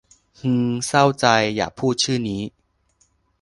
ฮือเศร้าใจ อย่าพูดชื่อนี้